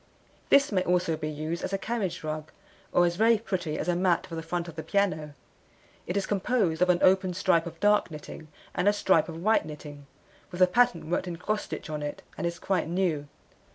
This may also be used as a carriage rug, or is very pretty as a mat for the front of the piano. It is composed of an open stripe of dark knitting, and a stripe of white knitting, with a pattern worked in cross stitch on it, and is quite new.